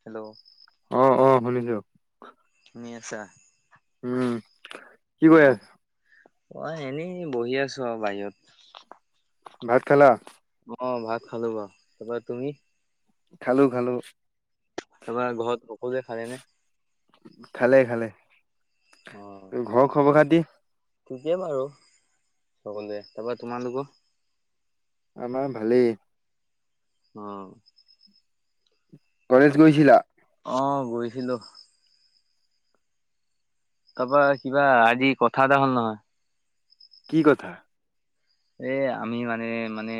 Hello অ অ শুনিছো শুনি আছা? উম কি কৰি আছ অ', অ', এনেই বহি আছো আৰু বাহিৰত। ভাত খালা? অ', ভাত খালো বাৰু, তাৰ পৰা তুমি? খালো খালো। তাৰপৰা ঘৰত সকলোৱে খালেনে? খালে খালে। ঘৰৰ খবৰ খাতি? অ'। থিকেই বাৰু সকলোৱে, তাৰপা তোমালোকৰ? আমাৰ ভালেই অ'। অ', কলেজ গৈছিলা? গৈছিলো। তাৰ পৰা কিবা আজি কথা এটা হ'ল নহয়। কি কথা? এ আমি মানে মানে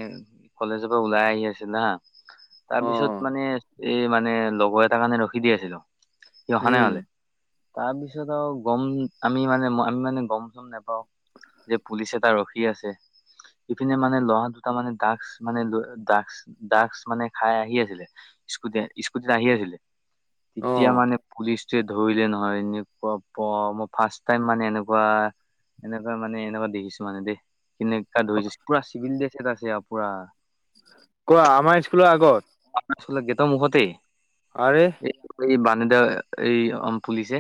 কলেজৰ পৰা ওলাই আহি আছিল হা। তাৰ অ পিছত মানে এই মানে লগৰ এটাৰ কাৰণে ৰখি দি আছিলো। সি অহা নাই উম মানে। তাৰ পিছত আৰু গম আমি মানে আমি মানে গম চম নেপাওঁ। যে পুলিচ এটা ৰখি আছে। ইপিনে মানে ল'ৰা দুটা মানে ড্ৰাগচ মানে ড্ৰাগচ ড্ৰাগচ মানে খাই আহি আছিলে স্কুটি স্কুটিত আহি আছিলে। অ তেতিয়া মানে পুলিচটোৱে ধৰিলে নহয় এনেকুৱা মই ফাৰ্ষ্ট টাইম মানে এনেকুৱা এনেকুৱা মানে এনেকুৱা দেখিছো মানে দেই। কেনেকুৱা ধৰিছে পুৰা চিভিল ড্ৰেছত আছে আৰু পুৰা। কোৱা আমাৰ স্কুলৰ আগত [unintelligible] গ্ৰেটৰ মুখতেই। আৰেহ! এই এই বানেদা এই পুলিচ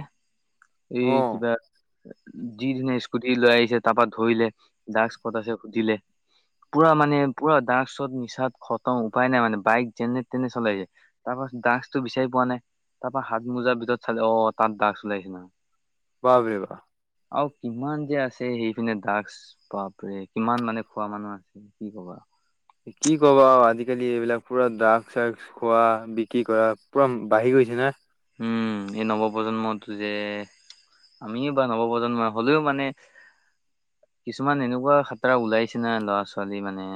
এই অ কিবা যিদিনা স্কুটি লৈ আহিছে তাৰ পৰা ধৰিলে ড্ৰাগচ ক'ত আছে সুধিলে। পুৰা মানে পুৰা ড্ৰাগচত নিছাত সতম উপায় নাই মানে বাইক যেনে তেনে চলাইছে। তাৰপা ড্ৰাগচটো বিচাৰি পোৱা নাই। তাৰপা হাত মোজাৰ ভিতৰত চালে অ' তাত ড্ৰাগচ চলাইছে মানে। বাপৰে বাপ! আৰু কিমান যে আছে সেই পিনে ড্ৰাগচ বাপ ৰে কিমান মানে খোৱা মানুহ আছে কি ক'বা। কি ক'বা আৰু আজি আজিকালি এইবিলাক পুৰা ড্ৰাগচ চ্ৰাগচ খোৱা বিক্ৰী কৰা পুৰা বাঢ়ি গৈছে না। উম, এই নৱপ্ৰজন্মতো যে আমিও বা নৱপ্ৰজন্ম হ'লেও মানে কিছুমান এনেকুৱা সাতৰা ওলাইছে না ল'ৰা ছোৱালী মানে।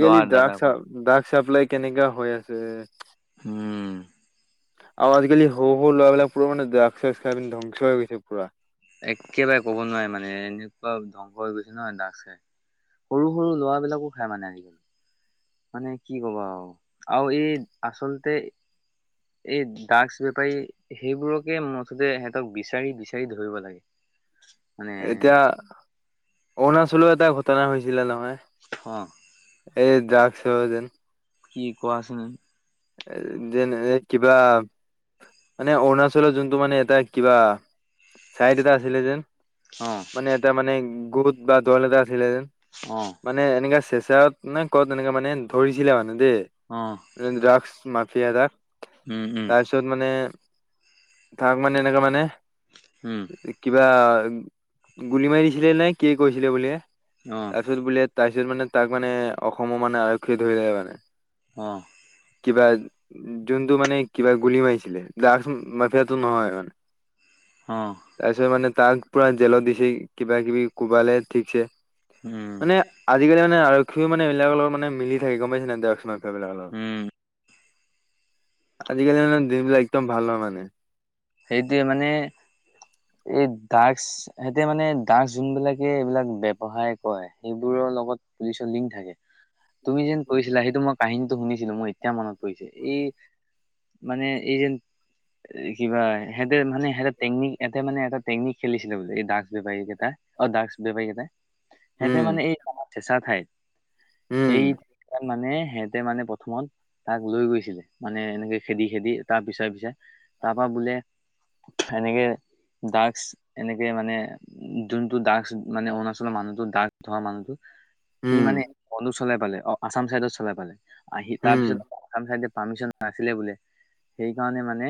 ল'ৰা দাদা ড্ৰাগচ পৰা। ড্ৰাগচ চাপ্লাই কেনেকা হৈ আছে। হম। আৰু আজিকালি সৰু সৰু ল'ৰাবিলাক পুৰা মানে ড্ৰাগ চাগ খাই পিনি ধ্বংস হৈ গৈছে পোৰা। একেবাৰে ক'ব নোৱাৰে মানে এনেকুৱা ধ্বংস হৈ গৈছে ন দাগচ খায়। সৰু সৰু ল'ৰা বিলাকো খাই মানে, মানে কি কবা আৰু আৰু এই আচলতে এই ড্ৰাগছ বেপাৰী সেইবোৰকে মুঠতে সিহঁতক বিচাৰি বিচাৰি এতিয়া ধৰিব লাগিব। এতিয়া অৰুণাচলৰ এটা ঘটনা হৈছিলে নহয়। অহ' এইেই ড্ৰাগছ [unintelligible] যেন কি কোৱাচোন। যেনে কিবা। মানে অৰুণাচলৰ যোনটো মানে এটা কিবা চাইড এটা আছিলে যেন অ মানে এটা মানে গোট বা দলে এটা আছিলে যেন। অহ' মানে এনেকা চেচাত নে ক'ত এনেকা মানে ধৰিছিলে মানে দেই অহ' ড্ৰাগচ মাফিয়া দাগ উম, উম। ত মানে তাক মানে এনেকা মানে উম কিবা গুলি মাৰি দিছিলে নে কি কৈছিলে বোলে, অ তাৰ পিছত বোলে তাৰপিছত মানে তাক মানে অসমৰ মানে আৰক্ষীয়ে ধৰিলে মানে অহ' কিবা যোনটো মানে কিবা গূলি মাৰিছিলে, ড্ৰাগ মাফিয়টো নহয় মানে অহ' তাৰপিছত মানে তাক পোৰা জেলত দিছে কিবা কিবি কোবালে ঠিকছে উম মানে আজিকালি মানে আৰক্ষীও মানে এইবিলাক লগত মিলি থাক গ'ম পাইছা নে ড্ৰাগছ মাফিয়া বিলাক লগত। উম। আজিকালি মানে দিনবিলাক একদম ভাল হয় লগা নাই। এতিয়া মানে এই ড্ৰাগচ এতিয়া মানে ড্ৰাগচ যোনবিলাক এইবিলাক ব্যৱসায় কৰে, সেইবোৰৰ লগত পুলিচৰ লিংক থাকে। তুমি যেন কৈছিলা, সেইটো মই কাহিনীটো শুনিছিলোঁ, মই এতিয়া মনত পৰিছে, এই মানে এই যে কিবা সিহঁতে মানে সিহঁতে টেকনিক এতে মানে এটা টেকনিক খেলিছিলে বোলে, এই ড্ৰাগ বেপাৰী কেইটা অ' ড্ৰাগচ বেপাৰীকেইটাই সিহঁতে উম মানে এই ঠেচা খাই সেই উম মানে সিহঁতে মানে ৰুমত তাক লৈ গৈছিলে মানে এনেকে খেদি খেদি তাৰ পিছে পিছে তাৰ পৰা বোলে এনেকে ড্ৰাগচ এনেকে মানে যোনটো ড্ৰাগচ মানে অৰুণাচলৰ মানুহতো ড্ৰাগছ ধৰা মানুহতো সি উম মানে [unintelligible] চলাই পালে অ' আছাম চাইদত চলাই পালে আহ সি তাৰ উম পিছত আন চাইদে পাৰৰ্মিচন নাছিলে বোলে সেইকাৰণে মানে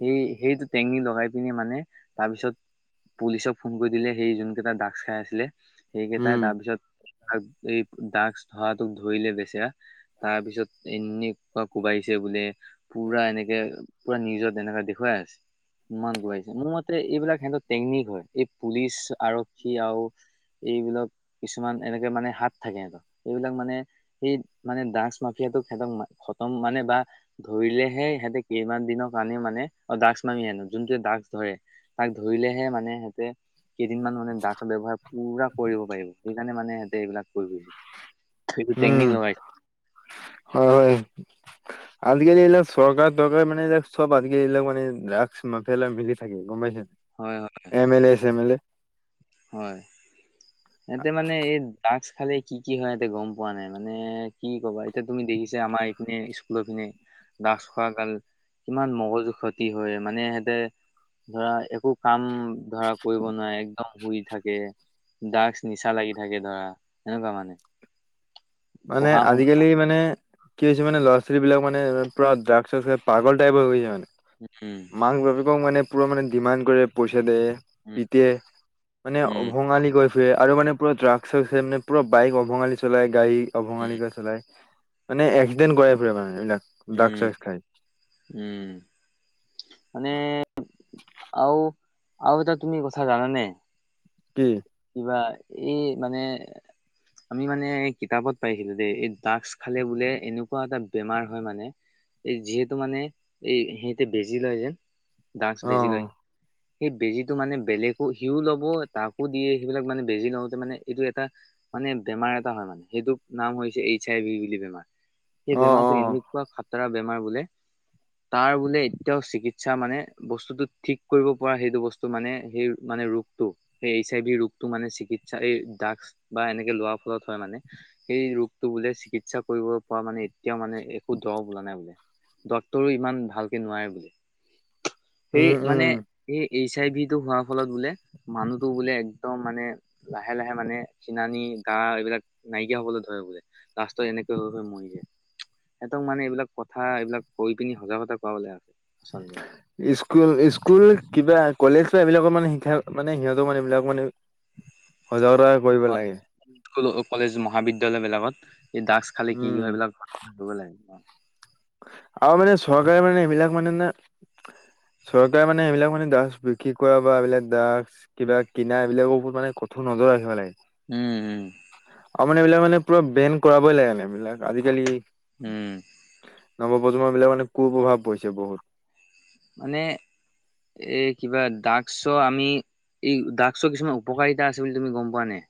সেই সেইটো টেঙনি লগাই পিনে মানে তাৰপিছত পুলিচক ফোন কৰি দিলে, সেই যোনকেইটা ড্ৰাগছ খাই আছিলে, সেইকেইটাই উম তাৰপিছত এই ড্ৰাগছ ধৰাটোক ধৰিলে বেচেৰা। তাৰ পিছত এনেকুৱা কোবাইছে বোলে পোৰা এনেকে পোৰা নিজৰ তেনেকুৱা দেখুৱাই আছে ইমান খুৱাইছে, মোৰ মতে এইবিলাক সিহঁতক টেকনিক হয়, এই পুলিচ আৰক্ষী আৰু এইবিলাক কিছুমান এনেকে মানে হাত থাকে সিহঁতৰ এইবিলাক মানে সেই মানে ড্ৰাগছ মাফিয়াটো সিহঁতক খতম মানে বা ধৰিলেহে সিহঁতক কেইমান দিনক মানি মানে অ' ড্ৰাগছ মামি আনো যোনটোৱে ড্ৰাগছ ধৰে, তাক ধৰিলেহে মানে সিহঁতে কেইদিনমান মানে ডাগৰ ব্যৱহাৰ পোৰা কৰিব পাৰিব, সেইকাৰণে মানে সিহঁতে এইবিলাক কৰি গৈছে সেইটো টেকনিক উম, লগাইছে হয়, হয়। আজিকালি এইবিলাক চৰকাৰ তৰকাৰ মানে এইবিলাক চব আজিকালি এইবিলাক মানে ড্ৰাগছ মাফিয়া লগে মিলি থাকে। গম পাইছেনে? হয় হয়। M L A, same L এ। হয়। [inaudible] ইহতে মানে এই ড্ৰাগছ খালে কি কি হয় ইহঁতে গম পোৱা নাই, মানে কি ক'বা এতিয়া তুমি দেখিছা আমাৰ নে স্কুলৰ পিনে ড্ৰাগছ খোৱা কান কিমান মগজু ক্ষতি হয়, মানে সিহঁতে ধৰা একো কাম ধৰা কৰিব নোৱাৰে। ম শুই থাকে, ড্ৰাগছ নিচা লাগি থাকে ধৰা এনেকুৱা মানে। মানে পঢ়া শুনা আজিকালি মানে কি হৈছে মানে ল'ৰা ছোৱালবিলাক মানে পুৰা ড্ৰাগ চাগ পাগল টাইপৰ হৈ গৈয়ে মানে। উ, উম। মাক বাপেক মানে পূৰা মানে ডিমাণ্ড কৰে, পইচা দিয়ে। উম পিটে মানে উম অ'ভঙালী গৈ আৰু মানে পুৰা ট্ৰাগ চাগ মানে পুৰা বাইক অভঙালী চলাই, গাড়ী উম অভঙালী চলায়। মানে এক্সিডেণ্ট কৰাই ফুৰে মানে এইবিলাক। ড্ৰাগছ উম, চাগছ খাই উম। মানে আৰু, আৰু এটা তুমি কথা জানানে? কি? কিবা এই মানে আমি মানে কিতাপত পাই আহিছিলোঁ দে, এই ড্ৰাগছ খালে বোলে এনেকুৱা এটা বেমাৰ হয় মানে এই যিহেতু মানে, এই সিহঁতে বেজি লয় যে ডাগছ অ বেজি লয়, সেই বেজিটো মানে বেলেগো সিও ল'ব, তাকো দিয়ে সেইবিলাক মানে বেজি লওঁতে মানে এইটো এটা মানে বেমাৰ এটা হয় মানে, সেইটোক নাম হৈছে এইচ আই ভি বুলি বেমাৰ। সেই অ অ বেমাৰটো এনেকুৱা খাতৰা বেমাৰ বোলে তাৰ বোলে এতিয়াও চিকিৎসা মানে বস্তুতো ঠিক কৰিব পৰা সেইটো বস্তু টো মানে সেই মানে ৰোগটো, সেই চাইডে ৰোগ টো মানে চিকিৎসা, এই ড্ৰাগ বা এনেকে লোৱাৰ ফলত হয় মানে। সেই ৰোগটো বোলে চিকিৎসা কৰিব পৰা মানে এতিয়াও মানে এ উদ্ভৱ হোৱা নাই বোলে, ডক্তৰেও ইমান ভালকে নোৱাৰে বোলে। সেই উম মানে উম এই এইচ আই ভিটো হোৱাৰ ফলত বোলে মানুহটো বোলে একদম মানে লাহে লাহে মানে চিনানী গা এইবিলাক নাইকিয়া হ'বলৈ ধৰে বোলে। লাষ্টত এনেকুৱা হৈ হৈ মৰি যায়। সিহঁতক মানে এইিলাক কথা, এইবিলাক কৈ পিনি সজাগতা কৰা লগা আছে আচলতে। স্কুল স্কুল কিবা কলেজ বা এইবিলাকৰ মানে শিক্ষা মানে সিহঁতৰ মানে এইবিলাক মানে সজাগতা কৰিব অ, লাগে। স্কুল কলেজ, মহাবিদ্যালয়বিলাকত এই ড্ৰাগছ খালে কি কি উম হয়, এইবিলাক হেৰি কৰিব লাগে। আৰু মানে চৰকাৰে মানে এইবিলাক মানে নে চৰকাৰে মানে এইবিলাক মানে ড্ৰাগছ বিক্ৰী কৰা বা এইবিলাক ড্ৰাগছ কিবা কিনা এইবিলাকৰ ওপৰত মানে কঠোৰ নজৰ ৰাখিব লাগে। উম, উম। আৰু মানে এইবিলাক মানে পুৰা বেন কৰাবই লাগেনে এইবিলাক, আজিকালি উম। নৱপ্ৰজন্মবিলাক মানে কুপ্ৰভাৱ পৰিছে বহুত। মানে এ, কিবা ড্ৰাগছৰ আমি ই ড্ৰাগছৰ কিছুমান উপকাৰিতা আছে বুলি তুমি গম পোৱা নে?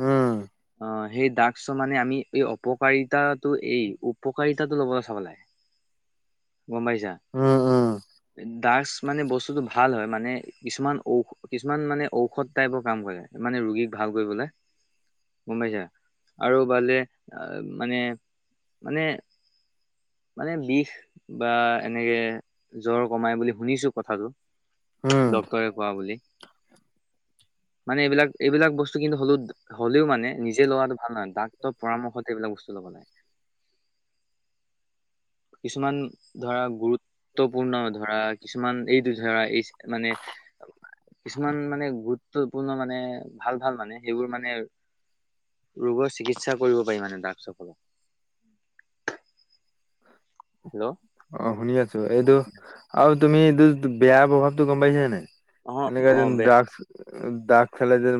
উম। অ'! সেই, ড্ৰাগছ মানে, আমি এই অপকাৰিতাটো, এই, উপকাৰিতাটো ল'বলৈ চাব লাগে। [inaudible] গম পাইছা? উম, উম। ডাগছ মানে, বস্তুটো ভাল হয়। মানে, কিছুমান ঔষধ কিছুমান মানে, ঔষধ টাইপৰ কাম কৰে। মানে, ৰোগীক ভাল কৰিবলৈ। গম পাইছা? আৰু ভালে, আঁ মানে, মানে মানে, বিষ বা এনেকে, জ্বৰ কমাই বুলি শুনিছোঁ, কথাটো। উম ডক্তৰে কোৱা বুলি। মানে এইবিলাক, এইবিলাক বস্তু কিন্তু, হ'লেও- হ'লেও, মানে। নিজে লোৱাটো ভাল নহয়। ডাক্তৰ পৰামৰ্শতে, এইবিলাক বস্তু ল'ব, লাগে। কিছুমান ধৰা, গুৰুত্বপূৰ্ণ ধৰা, কিছুমান এইটো ধৰা, এই মানে, কিছুমান মানে, গুৰুত্বপূৰ্ণ মানে, ভাল-ভাল মানে, সেইবোৰ মানে, ৰোগৰ চিকিৎসা কৰিব পাৰি মানে, ড্ৰাগছ সকলক। হেল্ল' অ'! শুনি আছোঁ। এইটো, আৰু তুমি, এইটো বেয়া প্ৰভাৱতো, গম পাইছা নাই? অ এনেকুৱা অ যে বে ড্ৰাগছ ড্ৰাগছ খালে যে,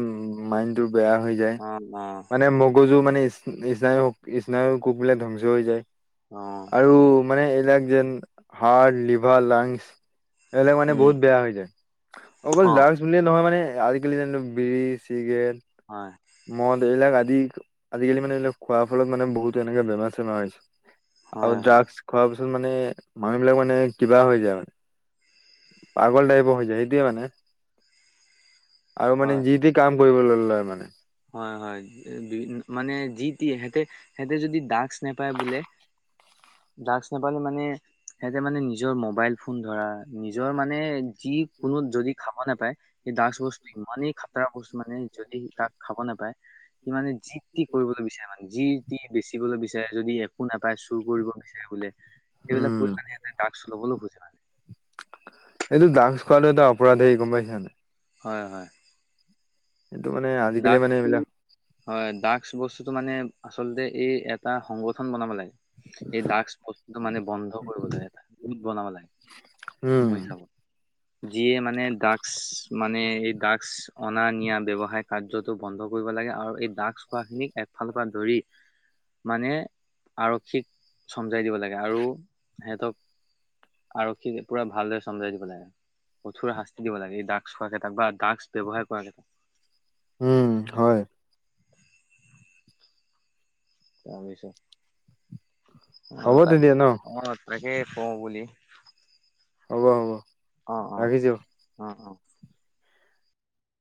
মাইণ্ডটো বেয়া হৈ যায়। অ অ মানে, ম মগজু মানে, স্নায়ু-স্নায়ু কোষবিলাক ধ্বংস হৈ যায়। অ আৰু মানে, এইবিলাক যেন, হাৰ্ট- লিভাৰ, লাঞ্চ এইবিলাক মানে, উম বহুত বেয়া হৈ যায়! অকল অ লাঞ্চ বোলে নহয় মানে, আজিকালি যেনে- বিড়ি, চিগাৰেট। হয়! মদ, এইবিলাক আজি, আজিকালি মানে, এইবিলাক খোৱাৰ ফলত মানে, বহুতো এনেকে বেমাৰ-চেমাৰ হৈছে। আৰু হয় হয় হয় ড্ৰাগছ খোৱাৰ পিছত মানে, মানুহ বিলাক মানে, কিবা হৈ যায়, মানে। পাগল টাইপৰ হৈ যায়, সেইটোৱে মানে। আৰু মানে, হয় যি টি কাম কৰিবলৈ লয়, মানে। হয়, হয়! মানে, যি টি। সিহঁতে, সিহঁতে যদি ডাগছ নাপায়, বোলে ড্ৰাগছ নাপালে মানে, উম, সিহঁতে মানে, নিজৰ মোবাইল ফোন ধৰা, নিজৰ মানে, যি কোনো যদি খাব নোপায়, সেই ড্ৰাগছ বস্তু, ইমানেই খাতৰা বস্তু! মানে, যদি ড্ৰাগছ খাব নাপায়। মানে, যি টি কৰিবলৈ বিচাৰে, মানে। যি এইটো টি বেচিবলৈ বিচাৰে, যদি একো নাপায়, চুৰ কৰিব বিচাৰে বোলে। সেইবিলাক কৰি মানে, এহঁতে ড্ৰাগছ ল'বলৈ খোজে মানে। এইটো, ড্ৰাগছ খোৱাটো, এটা অপৰাধ হে গম পাইছা নাই? হয়, হয়। সেইটো মানে, আজিকালি মানে ড্ৰগছটো এইবিলাক হয়! ড্ৰাগছ বস্তুটো মানে, আচলতে এই, এটা সংগঠন বনাব লাগে। এই ড্ৰাগছ বস্তুটো মানে, বন্ধ কৰিব লাগে। এটা গোট বনাব লাগে। উম, মোৰ হিচাপত, যিয়ে মানে, ড্ৰাগছ মানে, এই ড্ৰাগছ অনা-নিয়া ব্যৱসায় কাৰ্যটো বন্ধ কৰিব লাগে। আৰু এই, দ্ৰাগছ খোৱাখিনিক এফালৰ পৰা ধৰি, মানে আৰক্ষীক চমজাই দিব লাগে। আৰু সিহঁতক, আৰক্ষীক পূৰা ভালদৰে, চমজাই দিব লাগে। কঠোৰ শাস্তি দিব লাগে। এই ড্ৰাগছ খোৱা কেইটাক বা ড্ৰাগছ ব্যৱহাৰ কৰা, কেইটাক। উম! হয়। ভাবিছোঁ! অ'! হ'ব [unintelligible] তেতিয়া ন অ'! তাকে, কওঁ বুলি। হ'ব, হ'ব, অ অ ৰাখিছোঁ। অ অ